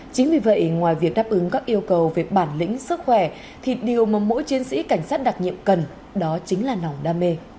chính vì vậy ngoài việc đáp ứng các yêu cầu về bản lĩnh sức khỏe thì điều mà mỗi chiến sĩ cảnh sát đặc nhiệm cần đó chính là nòng đam mê